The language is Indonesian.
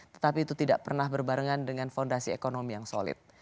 tetapi itu tidak pernah berbarengan dengan fondasi ekonomi yang solid